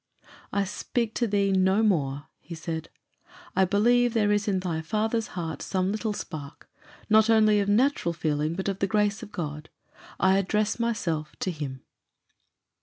"I speak to thee no more," he said. "I believe there is in thy father's heart some little spark, not only of natural feeling but of the grace of God. I address myself to him."